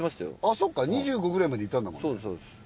そっか２５ぐらいまでいたんだもんね。